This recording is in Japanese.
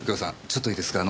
ちょっといいですか。